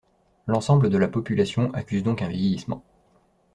L'ensemble de la population accuse donc un vieillissement.